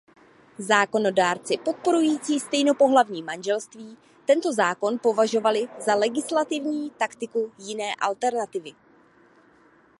Zákonodárci podporující stejnopohlavní manželství tento zákon považovali za legislativní taktiku jiné alternativy.